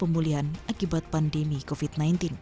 pemulihan akibat pandemi covid sembilan belas